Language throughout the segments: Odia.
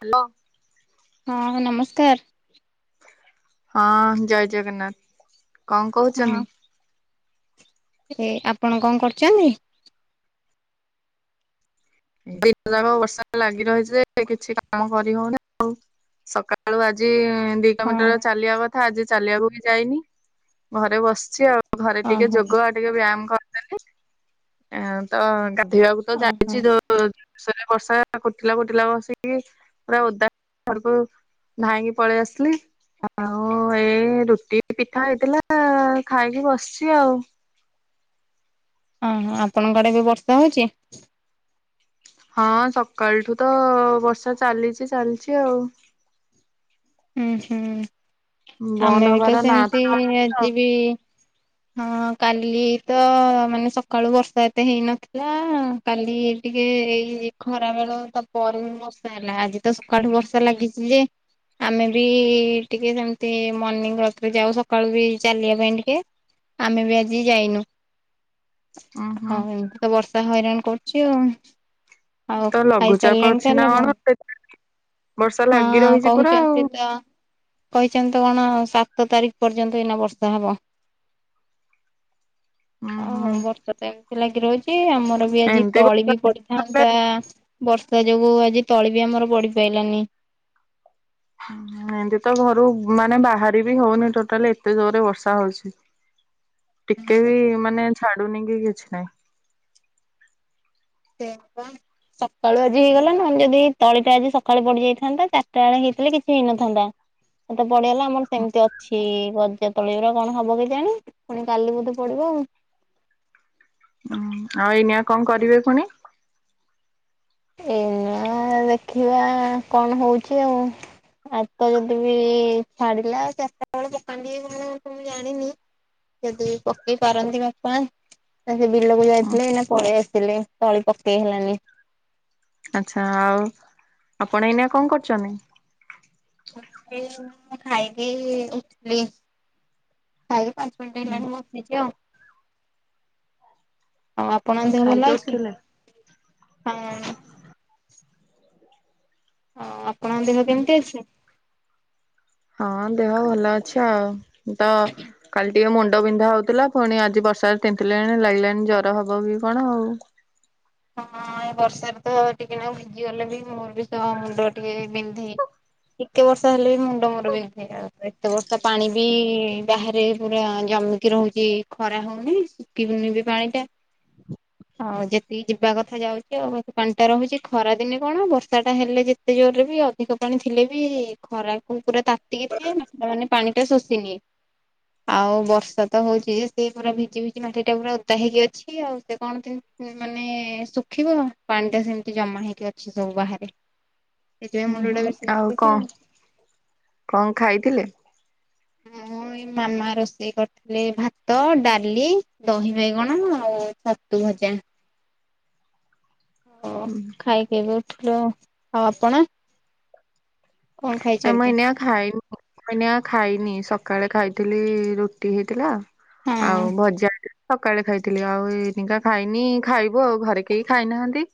ହେଲୋ। ହଁ ହଁ ନମସ୍କାର। ହଁ ଜୟ ଜଗନ୍ନାଥ କଣ କହୁଛନ୍ତି। ହଁ ଏ ଆପଣ କଣ କରୁଛନ୍ତି। କାଲି ଦିନ ଯାକ ବର୍ଷା ଲାଗି ରହିଛି ଯେ କିଛି କାମ କରିହଉନି ଆଉ ସକାଳୁ ଆଜି ଦି ହଁ କିଲୋମିଟର ଚାଲିବା କଥା ଆଜି ଚାଲିବାକୁ ବି ଯାଇନି ଘରେ ବସିଛି ଆଉ ଘରେ ଟିକେ ଓହୋ ଯୋଗ ଟିକେ ବ୍ୟାୟାମ କରିଦେଲି ଆ ତ ଗାଧୋଇବାକୁ ତ ଓହୋ ଯାଇଛି ଯୋର ହଁ ସେଠି ବର୍ଷା କୁଟିଲା କୁଟିଲା କସିକି ପୁରା ଓଦା ହେଇ ଘରକୁ ଧାଇଁକି ପଳେଇ ଆସିଲି। ଆଉ ଏ ରୁଟି ପିଠା ହେଇଥିଲା ଖାଇକି ବସିଛି ଆଉ। ଓହୋ ଆପଣଙ୍କ ଆଡେ ବି ବର୍ଷା ହଉଚି? ହଁ ସକାଳଠୁ ତ ବର୍ଷା ଚାଲିଚି ଚାଲିଚି ଆଉ। ଉଁ ହୁଁ ବନ୍ଦ ଆମେ ବି ତ ହବାର ନା ସେମିତି ଧରୁନି ଆଉ ଆଜିିବି ହଁ କାଲି ତ ମାନେ ସକାଳୁ ବର୍ଷା ଏତେ ହେଇନଥିଲା କାଲି ଟିକେ ଏଇ ଖରା ବେଳ ତା ପରେ ବି ବର୍ଷା ହେଲା ଆଜି ତ ସ ସକାଳୁ ଠୁ ବର୍ଷା ଲାଗିଚି ଯେ ଆମେ ବି ଟିକେ ସେମିତି ମର୍ଣ୍ଣିଂୱର୍କ ରେ ଯାଉ ସକାଳୁ ବି ଚାଲିବା ପାଇଁ ଟିକେ ଆମେ ବି ଆଜି ଯାଇନୁ ଉଁ ହୁଁ ହଁ ତ ବର୍ଷା ହଇରାଣ କରୁଚି ଆଉ ଆଉ ତ ଲଘୁଚାପ ଖାଇସାରିଲେଣି ଅଛି ନା ତାହାଲେ କଣ ଆପଣ। ସେ ବର୍ଷା ଲାଗି ହଁ ରହିଛି ପୁରା ଆଉ କହୁଚନ୍ତି ତ କହିଚନ୍ତି ତ କଣ ସାତ ତାରିଖ ପର୍ଯ୍ୟନ୍ତ ଏଇନା ବର୍ଷା ହବ। ଉଁ ହଁ ହୁଁ ହୋଉ ବର୍ଷା ତ ଏମିତି ଲାଗି ରହୁଚି ଆମର ବି ଆଜି ଏମିତି ତଳି ବି ବର୍ଷା ପଡିଥାନ୍ତା ବର୍ଷା ଯୋଗୁ ଆଜି ତଳି ବି ଆମର ବଡିି ପାଇଲାନି। [inaudible] ଏମିତି ତ ଘରୁ ମାନେ ବାହାରି ବି ହଉନି ଟୋଟାଲି ଏତେ ଜୋରରେ ବର୍ଷା ହଉଛି। ଟିକେ ବି ମାନେ ଛାଡୁନି କି କିଛି ନାହିଁ। ସେ ବା ସକାଳୁ ଆଜି ହେଇଗଲା ନହେଲେ ବି ତଳିଟା ଆଜି ସକାଳୁ ପଡିଯାଇଥାନ୍ତା ଚାରିଟା ବେଳେ ହେଇଥିଲେ କିଛି ହେଇନଥାନ୍ତା ଏତେ ପଡିଗଲା ଆମର ସେମିତି ଅଛି ଵ ସେତ ତଳେର କଣ ହବ କି ଜାଣି ପୁଣି କାଲି ବୋଧେ ପଡିବ ଆଉ। ହଁ ଆଉ ଏଇନିଆ କଣ କରିବେ ପୁଣି। ଏ ନୂଆ ଦେଖିବା କଣ ହଉଛି ଆଉ। ହାତ ଯଦି ବି ଛାଡିଲା ଚାରିଟା ବେଳେ ପକାନ୍ତି କଣ ଜାଣିନି। ଯଦି ପକେଇ ପାରନ୍ତି ବାପା। ନା ସେ ବିଲକୁ ଯାଇଥିଲେ ନା ପଳେଇ ଆସିଲେ ତଳି ପକେଇ ହେଲାନି। ଆଛା ଆଉ ଆପଣ ଏଇନା କଣ କରୁଛନ୍ତି। [unintelligible] ଖାଇଗି ଉଠିଲ ଖାଇ ପା [unintelligible] ହଁ ଆପଣ ଦେହ ଖାଇକି ଭଲ ଅଛି ଉଠିଲେ? ହଁ। ଅ ଆପଣଙ୍କ ଦେହ କେମିତି ଅଛି? ହଁ ଦେହ ଭଲ ଅଛି ଆଉ ତ କାଲି ଟିକେ ମୁଣ୍ଡ ବିନ୍ଧା ହଉଥିଲା ପୁଣି ଆଜି ବର୍ଷାରେ ତିନ୍ତିଲେଣି ଲାଗିଲାଣି ଜର ହବ କି କଣ ଆଉ। ହଁ ଏ ବର୍ଷାରେ ତ ଟିକେ ନାଗୁ ଭିଜିଗଲେ ବି ମୋର ବି ମୁଣ୍ଡ ସିଏ ବିନ୍ଧେ। କେତେ ବର୍ଷ ହେଲେ ବି ମୁଣ୍ଡ ମୋର ବିନ୍ଧେ ଏତେ ବର୍ଷା ପାଣି ବି ବାହାରେ ପୁରା ଜମିକି ରହୁଛି। କି ଖରା ହଉନି ଶୁଖିବନି ବି ପାଣି ଟା ଆଉ ଯେ ଟି ଯିବା କଥା ଯାଉଛି ଆଉ ବା ପାଣି ଟା ରହୁଛି ଖରା ଦିନେ କଣ ବର୍ଷା ଟା ହେଲେ ଯେତେ ଜୋରରେ ବି ଆଉ ଅଧିକ ପାଣି ଥିଲେ ବି ଖରାକୁ ପୁରା ତାତିକି ଥାଏ ମାନେ ପାଣି ଟା ଶୋଷିନିଏ। ଆଉ ବର୍ଷା ତ ହଉଛି ସେ ପୁରା ଭିଜି ଭିଜି ମାଟି ଟା ପୁରା ଓଦା ହେଇକି ଅଛି। ନ୍ତି ଆଉ ସେ କଣ ନ୍ତି ମାନେ ଶୁଖିବ ପାଣି ଟା ସେମିତି ଜମା ହେଇକି ଅଛି ସବୁ ବାହାରେ। ଏଇଥି ପାଇଁ ହୁଁ ମୁଣ୍ଡ ହୁଁ ଟା ବେଶି କଣ ବିନ୍ଧୁଚି ଆଉ। କଣ ଖାଇଥିଲେ? ମୁଁ ଏଇ ମାମା ରୋଷେଇ କରିଥିଲେ ଭାତ ଡାଲି ଦହି ବାଇଗଣ ଆଉ ଛାତୁ ଭଜା। ଓ ଖାଇକି ଏବେ ଉଠିଲୁ ଆଉ ଆଉ ଆପଣ? କଣ ନା ମୁଁ ଖାଇଛନ୍ତି? ଏଇନା ଖାଇନି ମୁଁ ଏଇନା ଖାଇନି ସକାଳେ ଖାଇଥିଲି ରୁଟି ହେଇଥିଲା। ହଁ ଆଉ ଭଜା। ସକାଳେ ଖାଇଥିଲି ଆଉ ଏଇନିକା ଖାଇନି ଖାଇବ ଆଉ ଘରେ କେହି ଖାଇନାହାନ୍ତି।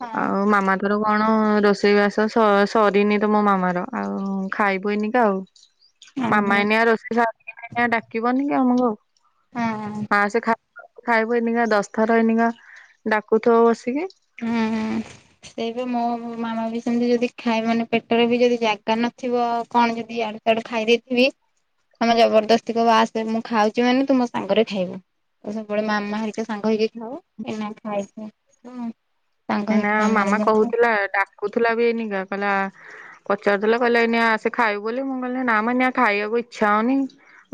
ହଁ ଆଉ ମାମା ତୋର କଣ ରୋଷେଇ ବାସ ସରିନି ତ ମୋ ମାମାର। ଆଉ ଖାଇବୁ ଏଇନିକା ଆଉ ଓହୋ ମାମା ଏନିଆ ରୋଷେଇ ସରୁ ଆ ଡାକିବନି କି ଆମକୁ ଆଉ? ହୁଁ। ଆଁ ସେ ଖାଇବୁ ଏଇନି ଦଶଥର ଏଇନିକା ଡାକୁଥିବ ବସିକି। ହୁଁ। ସେଇବେ ମୋ ମାମା ବି ସେମିତି ଯଦି ଖାଏ ମାନେ ପେଟରେ ବି ଯଦି ଜାଗା ନଥିବ କଣ ଯଦି ଆଡୁ ସେଟେ ଖାଇ ଦେଇଥିବି ତମେ ଜବରଦସ୍ତି କ ବା ଆସେ ମୁଁ ଖାଉଛି ମାନେ ତୁ ମୋ ସାଙ୍ଗରେ ଖାଇବୁ। ଆ ସବୁବେଳେ ମାମା ହେରିକା ସାଙ୍ଗ ଏଇନା ଖାଇକି [unintelligible] ସାଙ୍ଗ ଏଇନା ହେଇକି ମାମାର ମାମା ମୁଁ କହୁଥିଲା ଡାକୁଥିଲା ବି ଏଇନା କହିଲା ପଚାରିଦେଲେ କହିଲେ ଏଇନା ଆସେ ଖାଇବୁ ବୋଲି ମୁଁ କହିଲି ନା ମଏଇନା ଖାଇବାକୁ ଇଚ୍ଛା ହୋଉନି।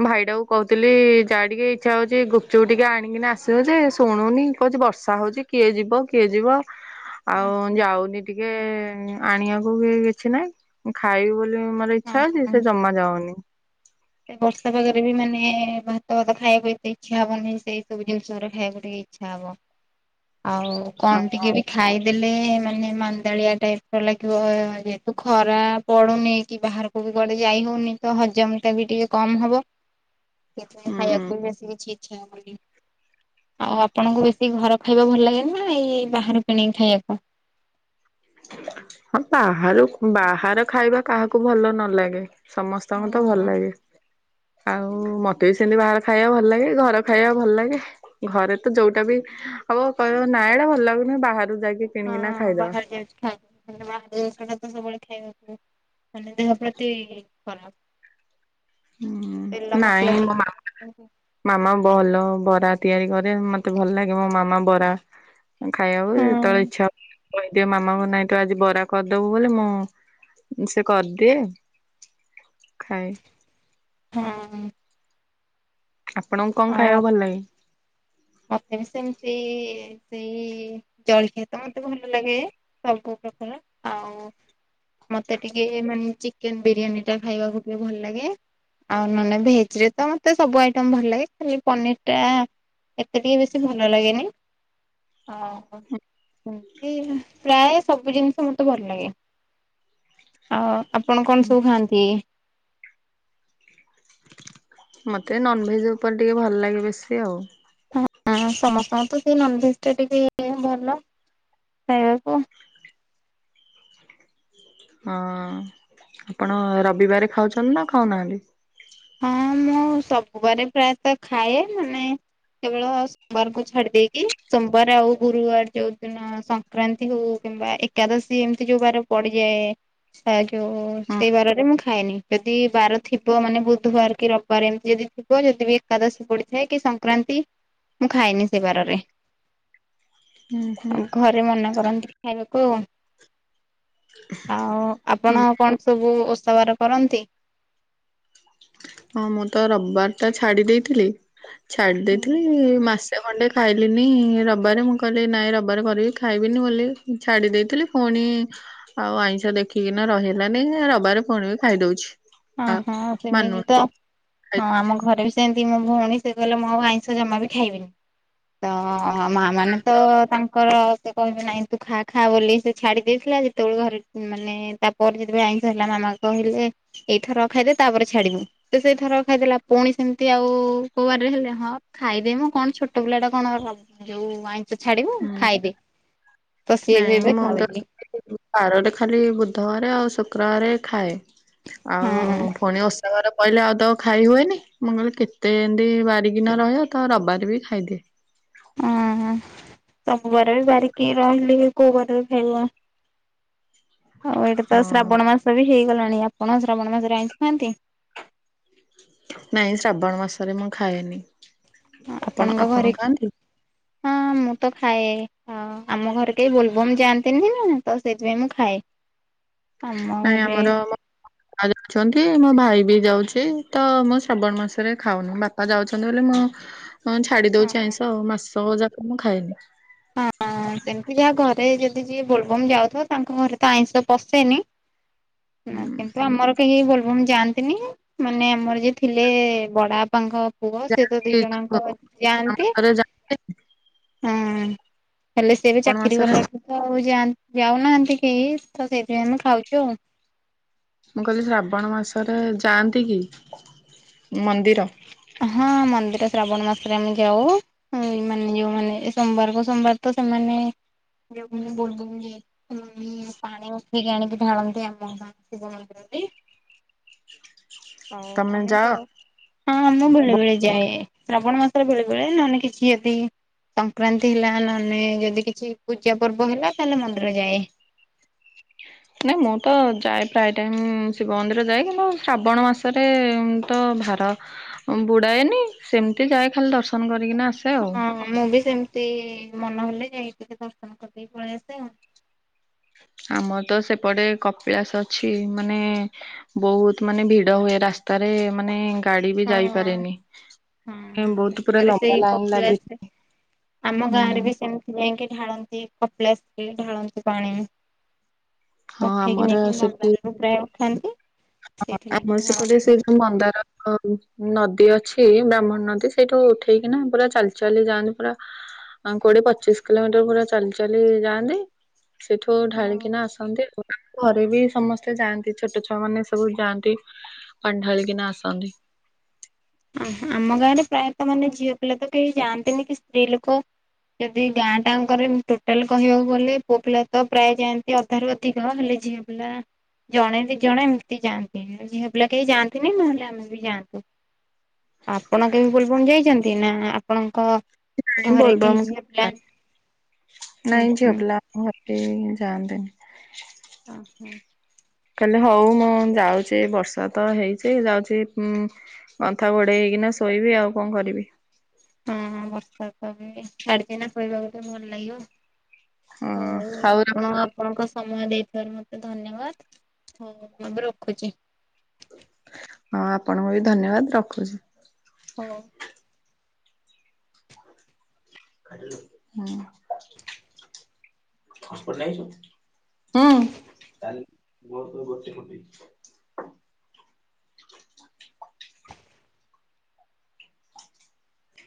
ଭାଇ ଟା କୁ କହୁଥିଲି ଯାହା ଟିକେ ଇଚ୍ଛା ହଉଛି ଗୁପ୍ ଚୁପ୍ ଟିକେ ଆଣିକିନି ଆସିବ ଯେ ଶୁଣୁନି। କହୁଛି ବର୍ଷା ହଉଛି କିଏ ଯିବ କିଏ ଯିବ। ଆଉ ଖାଉ। ଯାଉନି ଟିକେ ଆଣିବାକୁ କି କିଛି ନାଇଁ ମୁଁ ଖାଇବି ବୋଲି ମ ଇଚ୍ଛା ଅଛି ହଁ ସେ ଜମା ଯାଉନି। ସେ ବର୍ଷା ପାଗରେ ବି ମାନେ ଭାତ ଫାତ ଖାଇବାକୁ ଏତେ ଇଛା ହବନି ସେଇ ସବୁ ଜିନିଷ ଖାଇବାକୁ ଟିକେ ଇ ଇଛା ହବ ଆଉ କଣ ଟିକେ ବି ଖାଇଦେଲେ ମାନେ ମାନ୍ଦାଳିଆ ଟାଇପ୍ ଲାଗିବ ଯେହେତୁ ଖରା ପଡ଼ୁନି କି ବାହାର। କୁ ବି କୁଆଡ଼େ ଯାଇ ହଉନି ତ ହଜମ। ତେ ବି ଟିକେ କମ୍ ହବ ସେଥି ପାଇଁ ଖାଇବାକୁ ହୁଁ ବି ବେଶୀ କିଛି ଇଛା ହଉନି। ଆଉ ଆପଣଙ୍କୁ ବେଶୀ ଘର ଖାଇବା ଭଲ ଲାଗେ ନା ଏଇ ବାହାରୁ କିଣିକି ଖାଇବାକୁ ହଁ ବାହାରୁ ବାହାର ଖାଇବା କାହାକୁ ଭଲ ନ ଲାଗେ। ସମସ୍ତଙ୍କୁ ତ ଭଲ ହଁ। ଲାଗେ। ଆଉ ମତେ ବି ସେମମିତି ବାହାର ଖାଇବା ଭଲ ଲାଗେ ଘର ଖାଇବା ଭଲ ଲାଗେ। ଘରେ ତ ଯୋଉଟା ବି ହବ କହିବ ନାଇଁ ଏଇଟା ଭଲ ଲାଗୁନ ବାହାରୁ ଯାଇକି କିଣିକିନା ଖାଇଦବା। ମାନେ ବାହାଷଟା ତ ସବୁବେଳେ ଖାଇବା ମାନେ ଦେହ ପ୍ରତି ଖରାପ। ତେଲ ହୁଁ ମସଲା ନାଇଁ ଦେଇକି ମ ମା। ହୁଁ ମାମା ଭଲ ବରା ତିଆରି କରେ ମତେ ଭଲ ଲାଗେ ମୋ ମାମା ବରା। ଁ ଖାଇବାକୁ ଯେତେବେଳେ ଇଚ୍ଛା ହ। କହିଦିଏ ମାମାଙ୍କୁ ନାଇଁ ତୁ ଆଜି ବରା କରିଦବୁ ବୋଲି ମୁଁ ସେ କରିଦିଏ। ଖାଏ। ହଁ ଆପଣଙ୍କୁ କଣ ଆଉ ଖାଇବାକୁ ଭଲ ଲାଗେ? ମତେ ବି ସେମତି ସେଇ ଜଳଖିଆ ତ ମତେ ଭଲ ଲାଗେ, ସବୁ ପ୍ରକାର ଆଉ ମତେ ଟିକେ ମାନେ ଚିକେନ ବିରିୟାନୀ ଟା ଖାଇବାକୁ ଟିକେ ଭଲ ଲାଗେ। ଆଉ ନହେଲେ ଭେଜରେ ତ ମୋତେ ସବୁ ଆଇଟମ୍ ଭଲ ଲାଗେ, ଖାଲି ପନିରଟା ଏତେ ଟିକେ ବେଶୀ ଭଲ ଲାଗେନି। ହଁ ଏମିତି ପ୍ରାୟ ସବୁ ଜିନିଷ ମତେ ଭଲ ଲାଗେ ଆଉ ଆପଣ କଣ ସବୁ ଖାଆନ୍ତି? ମତେ ନନଭେଜ ଉପରେ ଟିକେ ଭଲ ଲାଗେ ବେଶୀ ଆଉ ହଁ ସମସ୍ତଙ୍କୁ ତ ସେଇ ନନଭେଜଟା ଟିକେ ଭଲ ଖାଇବାକୁ। ହଁ ଆପଣ ରବିବାର ଖାଉଛନ୍ତି ନା ଖାଉନାହାନ୍ତି? ହଁ ମୁଁ ସବୁ ବାରେ ପ୍ରାୟତଃ ଖାଏ ମାନେ କେବଳ ସୋମବାରଙ୍କୁ ଛାଡି ଦେଇେଇକି ସୋମବାର ଆଉ ଗୁରୁବାର ଯୋଉଦିନ ସଂକ୍ରାନ୍ତି ହଉ କିମ୍ବା ଏକ୍ ଏକାଦଶୀ ଏମିତି ଯୋଉ ବାର ପଡିଯାଏ ଆ ଯୋଉ ହୁଁ ସେଇ ବାରରେ ମୁଁ ଖାଏନି, ଯଦି ବାର ଥିବ ମାନେ ବହୁତ ବୁଧୁବାର କି ରବିବାର ଏମିତି ଯଦି ଥିବ ଯଦି ବିି ଏକାଦଶୀ ପଡିଥାଏ କି ସଂକ୍ରାନ୍ତି ମୁଁ ଖାଏନି ସେ ବାରରେ। ହୁଁ ହୁଁ। ସେ ମନା କରନ୍ତି ଖାଇବାକୁ ଆଉ ଆପଣ କଣ ସବୁ ଓଷାବାର କରନ୍ତି? ହଁ ମୁଁ ତ ରବିବାର ଟା ଛାଡି ଦେଇଥିଲି, ଛାଡି ହୁଁ। ଦେଇଥିଲି ମାସ୍‌ ସେ ଖଣ୍ଡେ ଖାଇଲିିନି ରବିବାରେ ମୁଁ କହିଲି ନାଇଁ ରବିବାର କରିବି ଖାଇବିନି ବୋଲି ଛାଡ଼ି ଦେଇଥିଲି ପୁଣି ଆଉ ଆଇଁଷ ଦେଖିକିନା ରହି ହେଲାନି ରବାରେ ପୁଣି ବି ଖାଇଦଉଛି। ହଁ ଆଉ ହଁ ସେମିତି ମାନୁନି ତ ଖାଇ ହଁ ଆମ ଘରେ ବି ସେମିତି ମୋ ଭଉଣୀ ସେ କଲା ମୁଁ ଆଉ ଆଇଁଷ ଜମା ବି ଖାଇବିନି ତ ମାଆ ମାନେ ତ ତାଙ୍କର ସେ କହିବେ ନାଇଁ ତୁ ଖା ଖା ବୋଲି ସେ ଛାଡ଼ି ଦେଇଥିଲା, ଯେତେବେଳେ ଘରେ ମାନେ ତାପରେ ଯେତେବେଳେ ଆଇଁଷ ହେଲା ମାମା କହିଲେ ଏଇଥର ଖାଇଦେ ତାପରେ ଛାଡିବୁ। ସେ ସେଇଥର ଖାଇଦେଲା ପୁଣି ସେମିତି ଆଉ କୋଉ ବାରରେ ହେଲେ ହଁ ଖାଇଦେ ମ କଣ ଛୋଟ ପିଲା ଟା କଣ ଯୋଉ ଆଇଁଷ ଛାଡିବୁ ଖାଇଦେ, ତ ସିଏ ବି ନାଇଁ ଏବେ ମୁଁ ତ ଖାଉନି। ବାରରେ ଖାଲି ବୁଧବାର ଆଉ ଶୁକ୍ରବାର ଖାଏ। ଆଉ ହଁ ପୁଣି ଓଷାବାର କହିଲେ ଆଉ ତ ଖାଇ ହୁଏନି ମୁଁ କହିଲି କେତେ ଏମିତି ବାରିକିିନ ରହିବ ତ ରବିବାର ବି ଖାଇଦିଏ। ହଁ ରବିବାର ବି ବାାରିକି ରହିଲି କୋଉ ବାର ଖାଇବ? ଆଉ ଏଇଟା ତ ହଁ ଶ୍ରାବଣ ମାସ ବି ହେଇଗଲାଣି ଆପଣ ଶ୍ରାବଣ ମାସରେ ଆଇଁସ ଖାନ୍ତି? ନାଇଁ ଶ୍ରାବଣ ମାସରେ ମୁଁ ଖାଏନି। ଆପଣ ଆପଣଙ୍କ ଆପଣ ଘରେ ଖାଆନ୍ତି? ହଁ ମୁଁ ତ ଖାଏ। ହଁ ଆମ ଘରେ କେହି ବୋଲବମ ଯାଆନ୍ତିନି ନା ତ ସେଇଥିପାଇଁ ମୁଁ ଖାଏ। ଆମ ନାଇଁ ଘରେ ଆମର [inaudible] ବାପା ଯାଉଛନ୍ତି, ମୋ ଭାଇ ବି ଯାଉଛି। ତ ମୁଁ ଶ୍ରାବଣ ମାସ ରେ ଖାଉନି। ବାପା ଯାଉଛନ୍ତି ବୋଲି ମୁଁ ଆଉ ହଁ ଛାଡ଼ି ହଁ ଦଉଛି ଆଇଁଷ ଆଉ, ମାସ ଯାକ ମୁଁ ଖାଏନି। ହଁ ସେମିତି ଯାହା ଘରେ ଯଦି ଯିଏ ବୋଲବମ ଯାଉଥିବ ତାଙ୍କ ଘରେ ତ ଆଇଁଷ ପଶେନି। ହଁ, କିନ୍ତୁ ଆମର କେହି ବୋଲବମ୍ ଯାଆନ୍ତିନି। ମାନେ ଆମର ଯିଏ ଥିଲେ ବଡ଼ ବାପାଙ୍କ ପୁଅ ସେ ତ ଦି ଯାଆନ୍ତି ଜଣଙ୍କ ଶ୍ରାବଣ ଯାଆନ୍ତି। ମାସରେ ଶ୍ରାବଣ ହୁଁ ହେଲେ ସେ ଏବେ ଚାକିରି ମାସରେ କଲାଠୁ ତ ଆଉ ଯାଉନାହାନ୍ତି କେହି। ତ ସେଇଥିାଇଁ ଆମେ ଖାଉଛୁ ଆଉ। ମୁଁ କହିଲି ଶ୍ରାବଣ ମାସରେ ଯାଆନ୍ତି କି ମନ୍ଦିର? ହଁ, ମନ୍ଦିର ଶ୍ରାବଣ ମାସ ରେ ଆମେ ଯାଉ। ହଁ, ଏ ମାନେ ଯୋଉମାନେ ସୋମବାରକୁ ସୋମବାର ତ ସେମାନେ ଯୋଉ ମାନେ ବୋଲବମ ପାଣି ଉଠେଇିକି ଆଣିକି ଢାଳନ୍ତି ଆମ ଗାଁ ଶିବ ମନ୍ଦିର ଆଉ ତମେ ଆମେ ଯାଅ? ଯାଉ। ହଁ, ମୁଁ ବେଳେ ବେଳେ ଯାଏ। ଶ୍ରାବଣ ମାସରେ ବେଳେ ବେଳେ, ନହେଲେ କିଛି ଯଦି ସଂକ୍ରାନ୍ତି ହେଲା ନହେଲେ ଯଦି କିଛି ପୂଜା ପର୍ବ ହେଲା ତାହେଲେ ମନ୍ଦିର ଯାଏ। ନାଇଁ ମୁଁ ତ ଯାଏ ପ୍ରାୟ ଟାଇମ ଶିବ ମନ୍ଦିର ଯାଏ। କିନ୍ତୁ ଶ୍ରାବଣ ମାସରେ ତ ଭାର ବୁଡାଏ ନି ସେମିତି ଯାଏ ଖାଲି ଦର୍ଶନ କରିକିନା ଆସେ। ଆଉ। ହଁ, ମୁଁ ବି ସେମିତି ମନହଲେ ଯାଇ ଟିକେ ଦର୍ଶନ କରିଦେଇି ପଳେଇ ଆସେ ଆଉ। ଆମର ତ ସେପଟେ କପିଳାସ ଅଛି। ମାନେ ବହୁତ ମାନେ ଭିଡ଼ ହୁଏ ରାସ୍ତାରେ, ମାନେ ଗାଡି ବି ହଁ ଯାଇପାରେନି। ହଁ ବହୁତ ପୁରା [unintelligible] ଲମ୍ବା ସେଇ ଲାଇନ ଲାଗି କପିଲାସ, [unintelligible] ଆମ ହୁଁ ଗାଁ ରେ ବି ସେମିତି ଯାଇକି ଢାଳନ୍ତି, କପିଳାସରେ ଢାଳନ୍ତି ପାଣି। [unintelligible] ହଁ ଉଠେଇିକି ଆମର ନେଇକି ମନ୍ଦାର ରୁ ପ୍ରାୟ ଉଠାନ୍ତି। ହଁ, ସେଇଠି ନେଇକି ଆମର ସେପଟେ ଢାଳନ୍ତି। ସେଇ ଯୋଉ ମନ୍ଦାର ନଦୀ ଅଛି, ବ୍ରାହ୍ମଣୀ ନଦୀ ସେଇଠୁ ଉଠେଇ କିନା ପୁରା ଚାଲି ଚାଲି ଯାଆନ୍ତି ପୁରା କୋଡିଏ- ପଚିଶ କିଲୋମିଟର ପୁରା ଚାଲି ଚାଲି ଯାଆନ୍ତି। ସେଠୁ ଢାଳିକିନା ଆସ ନ୍ତି। ଘରେ ବି ସମସ୍ତେ ଯାଆନ୍ତି, ଛୋଟ ଛୁଆ ମାନେ ସବୁ ଯାଆନ୍ତି। ପାଣି ଢାଳିକିନା ଆସନ୍ତି। ଅଃ, ଆମ ଗାଁରେ ପ୍ରାୟତଃ ମାନେ ଝିଅ ପିଲା ତ କେହି ଯାଆନ୍ତିନି କି ସ୍ତ୍ରୀ ଲୋକ ଯଦି ଗାଁ ଟାଙ୍କରେ ମୁ ଟୋଟାଲ କହିବାକୁ ଗଲେ ପୁଅ ପିଲା ତ ପ୍ରାୟ ଯାଆନ୍ତି ଅଧାରୁ ଅଧିକ, ହେଲେ ଝିଅ ପିଲା ଜଣେ ଦି ଜଣେ ଏମିତି ଯାଆନ୍ତି। ଝିଅ ପିଲା କେହି ଯାଆନ୍ତିନି ନହେଲେ ଆମେ ବି ଯାଆନ୍ତୁ। ଆପଣ କେବେବି ବୋଲବମ୍ ଯାଇଛନ୍ତି? ନା ଆପଣଙ୍କ ନାଇଁ ଘରେ କେହି ବୋଲବମ ଝିଅ ପିଲା [unintelligible] ହୁଁ ନାଇଁ ଝିଅ ହୁଁ ପିଲା [unintelligible] ଯାଆନ୍ତି ନି। ଓହୋଃ। କାହିଲେ ହଉ ମୁଁ ଯାଉଛି ବର୍ଷା ତ ହେଇଛି ଯାଉଛି ଉ ଗନ୍ଥା ଘୋଡେଇ ହେଇକିନା ଶୋଇବି ଆଉ କଣ କରିବି। ହଁ, ବର୍ଷା ତ ଏବେ ଛାଡିଛି ନା, ଶୋଇିବାକୁ ତ ଏବେ ଭଲ ଲାଗିବ। ହୁଁ, ହଁ ହଉ ରଖ। ଆପଣଙ୍କ ଆପଣଙ୍କ ସମୟ ଦେଇଥିବାରୁ ମତେ ଧନ୍ୟବାଦ। ହଉ ମୁଁ ଏବେ ରଖୁଛି। ହଁ, ଆପଣଙ୍କୁ ବି ଧନ୍ୟବାଦ ରଖୁଛି। ହଁ। ହୁଁ। [inaudible]